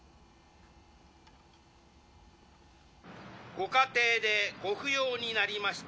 「ご家庭でご不要になりました